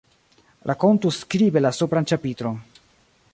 Rakontu skribe la supran ĉapitron.